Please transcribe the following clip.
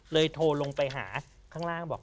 โทรลงไปหาข้างล่างบอก